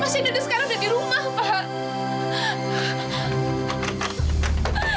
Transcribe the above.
mas ida sekarang sudah di rumah pak